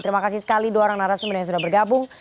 terima kasih sekali dua orang narasumber yang sudah bergabung